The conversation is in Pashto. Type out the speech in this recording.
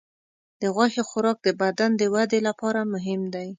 د غوښې خوراک د بدن د وده لپاره مهم دی.